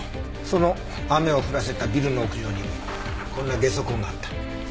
その雨を降らせたビルの屋上にこんなゲソ痕があった。